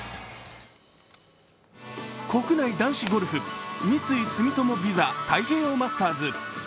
国内男子ゴルフ三井住友ＶＩＳＡ太平洋マスターズ。